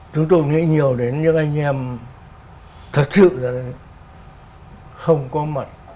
chúng tôi nghĩ nhiều đến những anh em thật sự là không có mặt